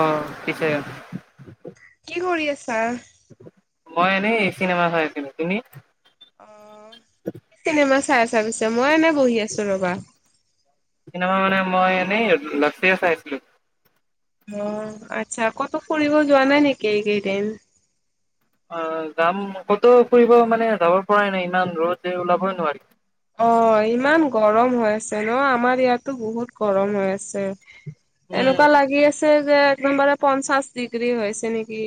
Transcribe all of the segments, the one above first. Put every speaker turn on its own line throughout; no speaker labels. অ, ' পিছে
কি কৰি আছা?
মই এনেই চিনেমা চাই আছিলো। তুমি?
অ, কি চনেমা চাই আছা? পিছে মই এনে বহি আছো ৰবা
চিনেমা মানে মই এনেই লাভ ষ্টোৰী চাইিছিলো।
অ', আচ্ছা কত ফুৰিব যোৱা নাই নেকি এইকেইদিন?
অ, ' যাম। কতো ফুৰিব মানে যাব পৰাই নাই ইমান ৰদ যে ওলাবই নোৱাৰি
অ, ইমান গৰম হৈ আছে ন। আমাৰ ইয়াতো বহুত গৰম হৈ আছে।
উম
এনেকুৱা লাগি আছে যে, একদমবাৰে পঞ্চাশ ডিগ্ৰী হৈছে নেকি?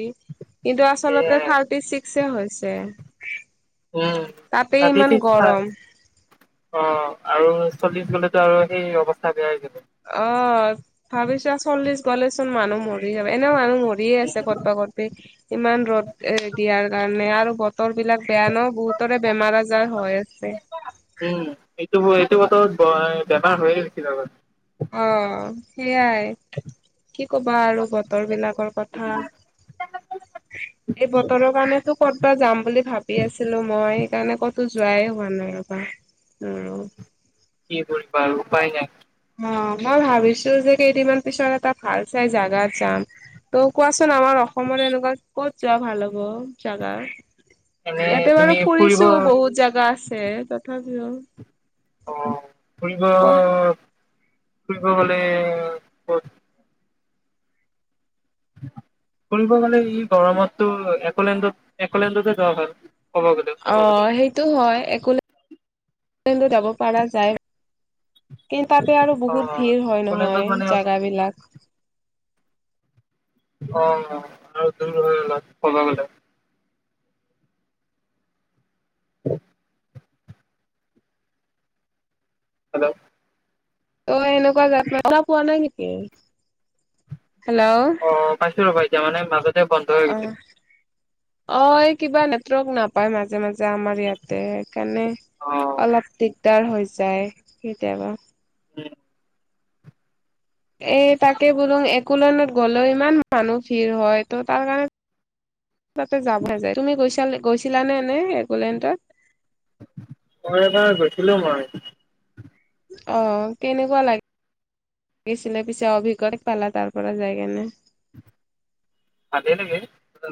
কিন্তু আচলতে
সেয়াই
থাৰ্টি ছিক্সে হৈছে।
উম,
তাতে ইমান
তাৰ্তিছিক্স হয়।
গৰম।
অ, ' আৰু চলি গ'লেতো আৰু সেই অৱস্থা বেয়া হৈ গল।
হলেচোন মানুহ মৰি যাব। এনেও মানুহ মৰিয়ে আছে কতবা- কতবা। ইমান ৰ'দ এ দিয়াৰ কাৰণে আৰু। বতৰ বিলাক বেয়া ন। বহুতৰে বেমাৰ আজাৰ হৈ আছে।
উম এইটো এইটো বতৰত বেমাৰ হয়য়ে সকলোৰে।
অ', সেইয়াই কি ক'বা আৰু, বতৰ বিলাকৰ কথা। এই বতৰৰ কাৰণেটো ক'তবা যাম বুলি ভাবি আছিলো মই। সেইকাৰণে ক'তো যোৱাই হোৱা নাই ৰবা। আৰু,
কি কৰি বাৰু উপায় নাই।
অ', মই ভাবিছো যে কেইদিনমান পিছত এটা ভাল চাই জাগা যাম। ত' কোৱাচোন আমাৰ অসমত এনেকুৱা কত যোৱা ভাল হ'ব জাগা?
এনে
ইয়াতে বাৰু
তুমি ফুৰিব
ফুৰিছোঁ, বহুত জাগা আছে। তথাপিও
অ' ফুৰিব
কোৱা
ফুৰিব গলে কত? ফুৰিব গলে এই গৰমতটো একলেণ্ডত-এলেণ্ডতে যোৱা ভাল। ক'ব গ'লে
অ, সেইটো হয়। একোলে লেণ্ড যাব পৰা যায়। কিন্তু তাতে আৰু
অ
বহুত ভিৰ হয়
একলেণ্ডত
নহয়
মানে অ
জাগাবিলাক।
অ' আৰু দূৰ হয় ক'ব গলে। [inaudible] হেল্ল'।
তই এনেকুৱা জেগা নাই পোৱা নাই নেকি? হেল্ল'।
তাৰমানে মাজত
আ, অ' এই কিবা নেটৱৰ্ক নাপায় মাজে যা আমাৰ ইয়াতে। সেইকাৰণে
অ
অলপ দিগদাৰ হৈ যায় কেতিয়াবা।
উম।
এই তাকে বোলো এক'লেণ্ড গ'লেও ইমান মানুহ ভিৰ হয় ত' তাৰ কাৰণে তাতে যাবহে যায়। তুমি গৈ-গৈছিলানে এনে একোলেণ্ডত?
মই এবাৰ গৈছিলোঁ মই।
অ' কেনেকুৱা লাগে? লাগিছিলে পিছে, অভিজ্ঞটা পালা তাৰ পৰা যায় কেনে?
ভালে লাগে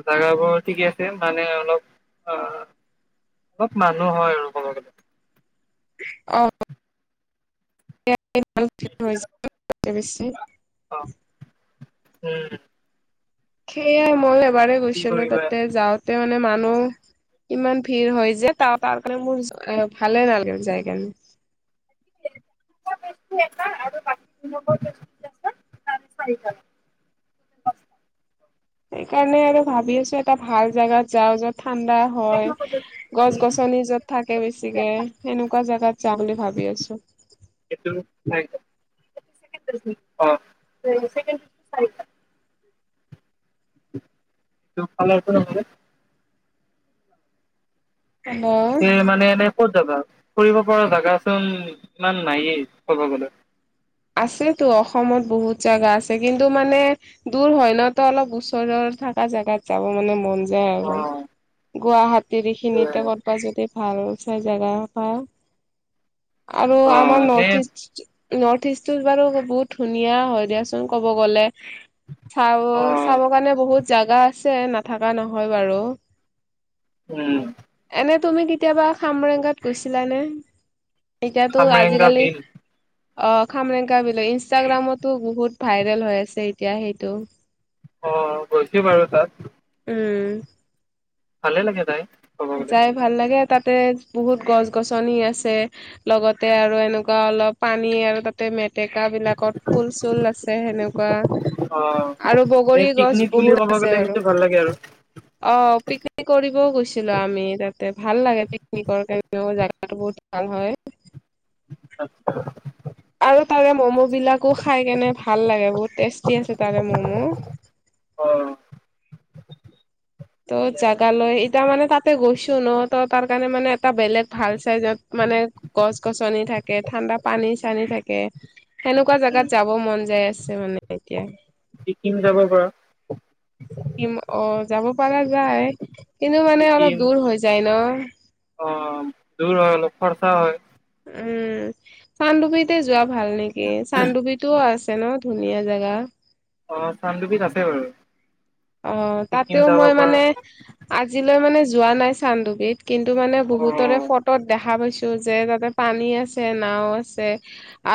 জাগাবোৰ, ঠিকে আছে। মানে অলপ আহ অলপ মানুহ হয় আৰু ক'ব গলে।
অ'। ইমান ভিৰ হৈছে, তাতে বেছি।
অ উম।
সেয়াই মই এবাৰেই
কি
গৈছিলোঁ
কৰিবা
তাতে যাওঁতে মানে মানুহ ইমান ভিৰ হয় যে ত' তাৰ কাৰণে মোৰ ভালে নালাগে যায়কেনে।
[unintelligible] এটা আৰু বাকীবোৰ [unintelligible]
সেইকাৰণে আৰু ভাবি আছোঁ। এটা ভাল জোগাত যাওঁ য'ত ঠাণ্ডা হয়, গছ গছনি য'ত থাকে বেছিকে। এনেকুৱা জাগাত যাম বুলি ভাবি আছোঁ।
সেইটোওঁ হয়। অ'। চব ফালৰপৰা মানে?
হেল্ল'
তাতে মানে এনে ক'ত? যাব, ফুৰিবপৰা জাগাচোন ইমান নায়ে ক'ব গলে।
আছেতো অসমত বহুত জাগা আছে, কিন্তু মানে দূৰ হয় ন' তো অলপ ওচৰৰ থকা জোগাত যাব মানে মন যায়
অ
আৰু, গুৱাহাটীৰখিনিতে কৰ'বাত যদি ভাল চাই জেগা বা আৰু আমাৰ
এনে
নৰ্থ ইষ্ট নৰ্থ ইষ্টো বাৰু বহুত ধুনীয়া হয় দিয়াচোন ক'ব গ'লে। চাব
অ
চাব কাৰণে বহুত জাগা আছে নাথকা নহয় বাৰু।
উম।
এনে তুমি কেতিয়াবা খামৰেংগাত গৈছিলানে? এতিয়াতো
খামৰেংগা
আজিকালি
বিল
অ' খামৰেংকাবিল ইনষ্টাগ্ৰামতো বহুত ভাইৰেল হৈ আছে এতিয়া সেইটো।
অ' গৈছি বাৰু তাত।
উম।
ভালে লাগে যায়।
যাই ভাল লাগে? তাতে বহুত গছ গছনি আছে, লগতে আৰু এনেকুৱা অলপ পানী আৰু তাতে মেট ডেকা বিলাকত ফুল চুল আছে সেনেকুৱা।
অ
আৰু
এনে
বগৰী গছ
পিকনিক বুলি
বহুত
ক'ব
আছে
গ'লে
বাৰু।
সেইটো ভাল লাগে আৰু
অ', পিকনিক কৰিবও গৈছি আমি তাতে ভাল লাগে পিকনিকৰ কাৰণেও জাগাটো বহুত ভাল হয়। আৰু
[inaudible]
তাৰে মম বিলাকো খাই কেনে ভাল লাগে বহুত টেষ্টি আছে তাৰে মমো।
অ
ত' জোগা লৈ এতিয়া মানে তাতে গৈছো ন ত তাৰ কাৰণে মানে এটা বেলেগ ভাল। তাৰ পিছত মানে গছ গছনি থাকে ঠাণ্ডা পানী চানী থাকে। সেনেকুৱা জোগাত
উম
যাব মন যায় আছে মানে এতিয়া।
ছিকিম [unintelligible]
ছিকিম অ' যাব পাৰা যায়, কিন্তু মানে
ছিকিম
অলপ দূৰ হৈ যায় ন।
অ', দূৰ হয় অল খৰচা হয়।
উম, চান্দুপীতে যোৱা ভাল নেকি চান্দুপিতটোও আছ চেন ধুনীয়া জেগা।
অ', চান্ডুপিত আছে বাৰু।
অ',
ছিকিম
তাতেও
যাব
মই
পাৰা
মানে, আজিলৈ মানে যোৱা নাই চান্দুবিদ। কিন্তু মানে
অ
বহুতৰে ফটোত দেখা পাইছোঁ যে তাতে পানী আছে নাও আছে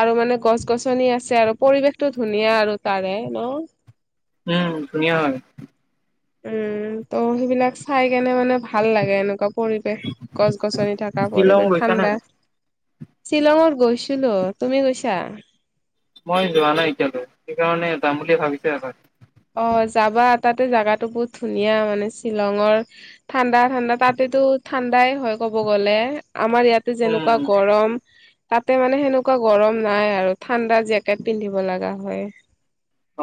আৰু মানে গছ গছনি আছে আৰু পৰিৱেশতো ধুনীয়া আৰু তাৰে ন?
উম ধুনীয়া হয়
উম, ত' সেইবিলাক চাই কেনে মানে ভাল লাগে এনেকুৱা পৰিৱেশ, গছ গছনি থকা
শ্বিলং
পৰিৱেশ
গৈছা নে
ঠাণ্ডা।
নাই?
শ্বিলংত গৈছিলোঁ, তুমি গৈছা?
মই যোৱা নাই এতিয়ালৈ, সেইকাৰণে যাম বুলি ভাবিছো এবাৰ।
অ যাবা তাতে জাগাটো বহুত ধুনীয়া মানে শ্বিলংৰ ঠাণ্ডা ঠাণ্ডা তাতে এইটো ঠাণ্ডাই হয় ক'ব গ'লে, আমাৰ ইয়াতে যেনেকুৱা
উম
গৰম। তাতে মানে সেনেকুৱা গৰম নাই আৰু ঠাণ্ডা জেকেট পিন্ধিব লগা হয়।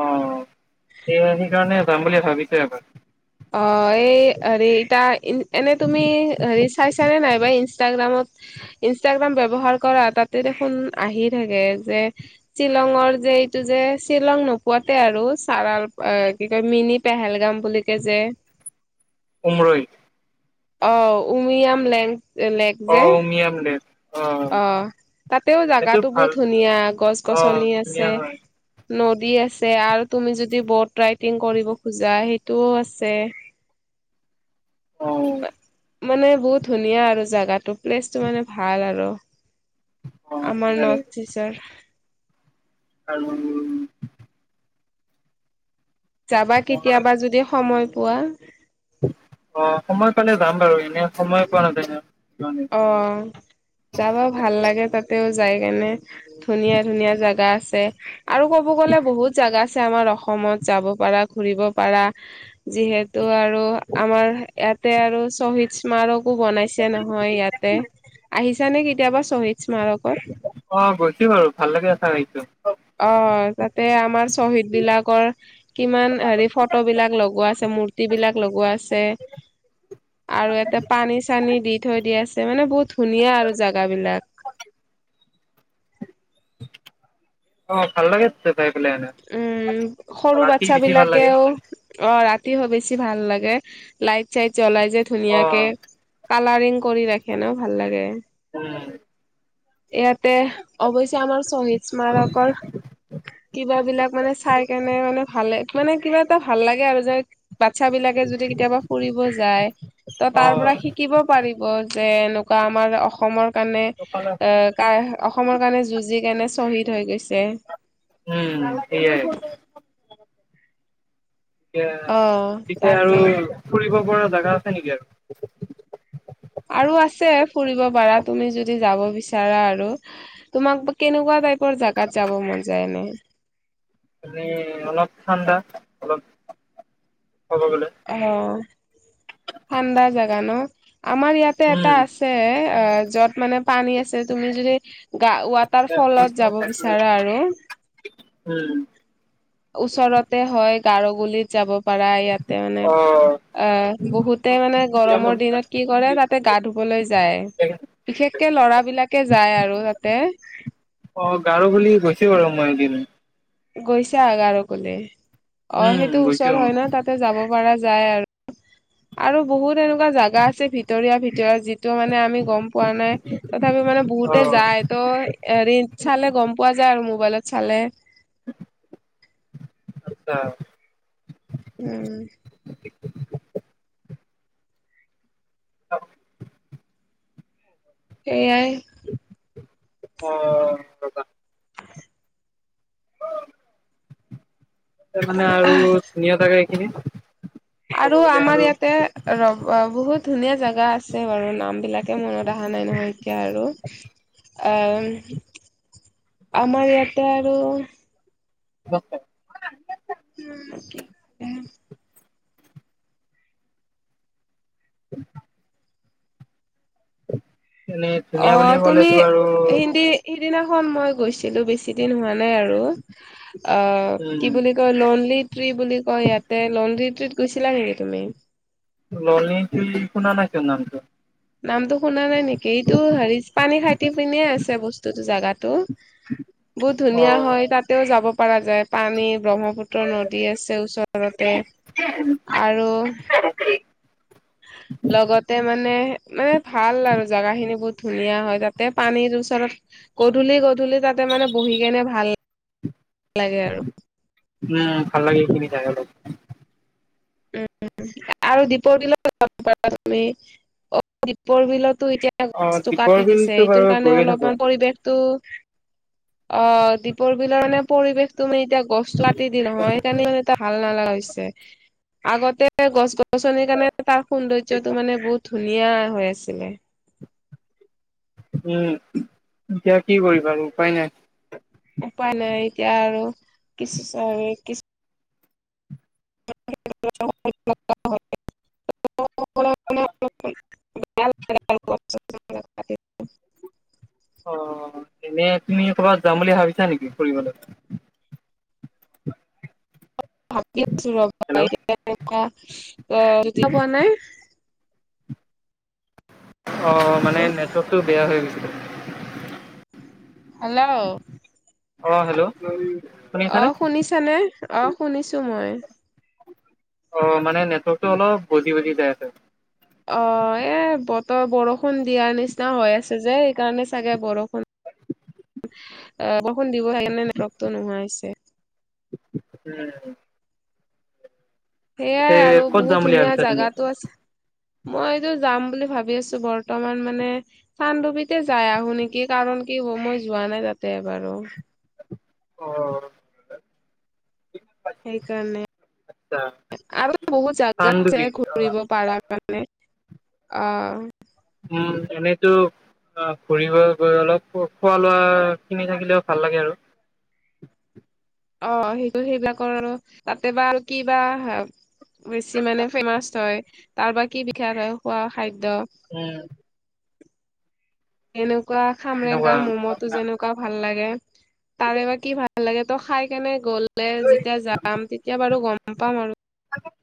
অ', সেই সেই কাৰণে যাম বুলি ভাবিছোঁ এবাৰ।
অ', এই হেৰি ইতা এনে তুমি হেৰি চাইছানে নাইবা ইনষ্টাগ্ৰামত ইনষ্টাগ্ৰাম ব্যৱহাৰ কৰা? তাতে দেখোন আহি থাকে যে শ্বিলংৰ যে এইটো যে শ্বিলং নোপোৱাতে আৰু চাৰাল কি কয় মিনি পেহেলগাম বুলিকে যে
উমৰৈ।
অ', উমিয়াম লেং লেক
অ',
যে
উমিয়াম লেং।
অ', তাতেও জাগাটো
ভাল
বহুত ধুনীয়া গছ
অ
গছনি
ধুনীয়া
আছে।
হয়
নদী আছে আৰু তুমি যদি বট ৰাইডিং কৰিব খোজা সেইটোও আছে। [unintelligible]
অ
মানে বহুত ধুনীয়া আৰু জোগাটো প্লেচটো মানে ভাল আৰু।
অ
আমাৰ
সেয়াই
নৰ্থিছৰ।
[unintelligible]
যাবা
মই
কেতিয়াবা যদি সময় পোৱা।
অ', সময় পালে যাম বাৰু এনে সময় পোৱা নাজায়।
অ', যাবা ভাল লাগে তাতেও যাই কেনে ধুনীয়া ধুনীয়া জাগা আছে, আৰু ক'ব গলে বহুত জাগা আছ আমাৰ অসমত যাব পাৰা ঘুৰিব পাৰা যিহেতু আৰু আমাৰ ইয়াতে আৰু শ্বহীদ স্মাৰকো বনাইছে নহ হয় ইয়াতে, আহিছ নে কেতিয়াবা শ্বহীদ স্মাৰকত
অ', গৈছো বাৰু ভাল লাগে [unintelligible]
অ তাতে আমাৰ শ্বহীদ বিলাকৰ কিমান হেৰি ফটো বিলাক লগোৱা আছে মূৰ্তি বিলাক লগোৱা আছে তে মানে বহুত ধুনীয়া আৰু জাগা বিলাক।
অ ভাল লাগে [unintelligible]
উম, সৰু
ৰাতি বেছি ভাল লাগে
বাচ্ছাবিলাকেও অ' ৰাত তি হ বেছি ভাল লাগে, লাইট চাইট জ্বলাই যে
অ
ধুনীয়াকে। কালাৰিং কৰি ৰাখে ন' ভাল লাগে।
উম।
ইয়াতে অৱশ্যে আমাৰ শ্বহীদ স্মাৰকৰ কিবাবিলাক মানে চাই কেনে মানে ভালে মানে কিবা এটা ভাল লাগে আৰু যে বাচ্ছা বিলাকে যদি কেতিয়াবা ফুৰিব যায় ত' তাৰ পৰা শিকিব পাৰিব। যে এনেকুৱা আমাৰ অসমৰ কাৰণে
অ
আ, কা অসমৰ কাৰণে যুঁজি কেনে শ্বহীদ হৈ গৈছে।
উম, সেয়াই। এতিয়া এতিয়া
অ
পিছে আৰু
তাকে
ফুৰিব পৰা জাগা আছে নেকি আৰু?
আৰু আছে ফুৰিব পাৰা তুমি যদি যাব বিচাৰা আৰু তোমাক কেনেকুৱা তাইপ পৰ জাগাত যাব মন যায় এনে?
মানে অলপ ঠাণ্ডা অলপ ক'ব গ'লে
অ'। ঠাণ্ডা জেগা ন' আমাৰ ইয়াতে এটা
উম
আছে অ' য'ত মানে পানী আছে তুমি যদি গা-ৱাটাৰ ফলত যাব বিচাৰা আৰু
উম।
ওচৰতে হয় গাৰগুলিত যাব পাৰা, ইয়াতে মানে
অ
অ বহুতে মানে গৰমৰ দিনত কি কৰে তাতে গা ধুবলৈ যায়। বিশেষকে ল'ৰাবিলাকে যায় আৰু তাতে।
গৰোগুলি গৈছোঁ বাৰু মই এদিন।
গৈছা গৰোগুলি? অ'
উম
হেইটো
গৈছো
ওচৰ হয় ন' তাতে যাব পাৰা। যায় আৰু, আৰু বহুত চে এনেকুৱা জাগা আছে ভিতৰীয়া ভিতৰীয়া যিটো মানে আমি গম পোৱা নাই, তথাপিও মানে
অ
বহুতে যায়। হেটো এৰি চালে গম পোৱা যায় আৰু, মোবাইলত চালে।
আচ্ছা।
উম।
[inaudible] [unintelligible]
এয়াই।
অ' ৰবা। মানে আৰু ধুনীয়া জাগা এইখিনি? ক'ব
আৰু
গ'লে
আমাৰ ইয়াতে ৰ-ৰবা বহুত ধুনীয়া জেগা আছে বাৰু, নামবিলাকে মনত অহা নাই নহয় এতিয়া আৰু। আ, আমাৰ ইয়াতে আৰু
কিবা আছে।
উম, কি উম।
উ। এনেই ধুনীয়া বুলি
অ' তুমি
ক'লেতো আৰু
হিন্দী, সিদিনাখন মই গৈছিলোঁ বেছি দিন হোৱা মানে আৰু। আ, কি
উম
বুলি কয় ললিত্ৰী বুলি কয় ইয়াতে ললিত্ৰি গৈছিলা নেকি তুমি?
লনিকি শুনা নেকি নামটো?
নামটো শুনা নাই নেকি? এইটো হেৰি পানী খাইট পিনিয়ে আছে বস্তুটো জাগাটো। বহুত
অ
ধুনীয়া হয়, তাতেও যাব পৰা যায় পানী ব্ৰহ্মপুত্ৰ নদী আছে ওচৰতে, আৰু লগতে মানে মানে ভাল আৰু জেগাখিনি বহুত ধুনীয়া হয় তাতে, পানীৰ ওচৰত গধূলি গধূলি তাতে মানে বহি কেনে ভাল
[inaudible]
লাগে আৰু।
উম, ভাল লাগে এইখিনি যেগাটো।
উম, আৰু দিপৰ বিলত যাব পাৰা তুমি অ' দিপৰ বিলত। টো এতিয়া
অ
গছটো
দ্বীপৰ
কাটি দিছে,
বিলতো বাৰু
সেইটোৰ কাৰণে
গৈয়ে থাকো
অলপমান পৰিৱেশতটো। অ' দীপৰ বিলৰ মানে পৰিৱেশ তো মানে এতিয়া গছতো কাটি দি নহয় সেইকাৰণে মানে ভাল নালাগে। পিছে আগতে গছ গছনিৰ কাৰণে তাৰ সৌন্দৰ্য্য টো মানে বহুত। ধুনীয়া হৈ আছিলে।
উম, এতিয়া কি কৰিবা আৰু উপায় নাই।
উপায় নাই এতিয়া আৰু কিছু। [unintelligible] [unintelligible] [unintelligible]
অ' এনে তুমি ক'ৰবাত যাম বুলি ভাবিছা নেকি ফুৰিবলৈ?
[inaudible] ভাবি আছো ৰবা
হেল্ল'
এনেকুৱা জেগা পোৱা নাই।
অ' মানে নেটৱৰ্কটো বেয়া হৈ গৈছিলে।
হেল্ল'
অ হেল্ল' শুনি আছানে
অ' শুনিছানে অ' শুনিছো মই।
অ' মানে নেটৱৰ্কতটো অলপ বজি বজি যাই আছে।
অ' এ বতৰ বৰষুণ দিয়াৰ নিচিনা হৈ আছে যে সেইকাৰণে চাগে বৰষুণ। বৰষুণ দিব সেকাৰণে নেটৱৰ্ক টো নোহাৱা হৈছে।
উম। পিছে
সেইয়াই আৰু
ক'ত যাম
বহুত
বুলি
ধুনীয়া
ভাবিছা তুমি
জাগাতো আছে, মই এইটো যাম বুলি। ভাবি আছো, বৰ্তমান মানে চানডুবিতে যাই আহো নেকি কাৰণ কি হ মই যোৱা নাই তাতে। এবাৰো।
অ'
সেইকাৰণে,
আচ্ছা
আৰু বহুত জাগা আছে
পাণ্ডুবি অ
ঘুৰিব পাৰাকে। সেইকাৰণে অ'
উম, এনেটো অ' ঘুৰিব গৈ অলপ খোৱা লোৱা কিনি থাকিলেও ভাল লাগে আৰু।
অ' সেইটো সেইবিলাকৰ আৰু তাতে বা আৰু কিবা বেছি মানে ফেমাচ হয়, তাৰ বাকি বিষাল একো খোৱা খাদ্য
উম।
এনেকুৱা খামৰেংগাৰ মম'টো
এনেকুৱা
যেনেকুৱা ভাল লাগে। তাৰে বা কি ভাল লাগে তই খাই কেনে গ'লে যেতিয়া যাম তেতিয়া বাৰু গ'ম পাম আৰু।